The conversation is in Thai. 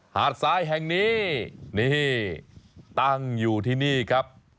หาดซ้ายแห่งนี้นี่ตั้งอยู่ที่นี่ครับ